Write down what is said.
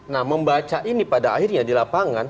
nah membaca ini pada akhirnya di lapangan